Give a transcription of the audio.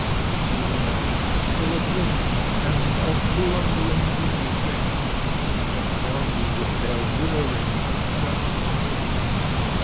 The air is full of wings, And of blundering beetle things That warn you with their whirring and their humming.